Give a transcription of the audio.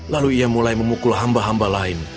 lalu ia mulai memukul hamba hamba lain